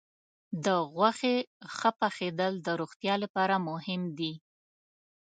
د غوښې ښه پخېدل د روغتیا لپاره مهم دي.